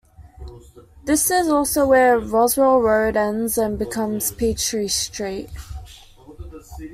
This is also where Roswell Road ends and becomes Peachtree Street.